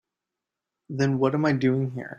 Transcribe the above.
Then what am I doing here?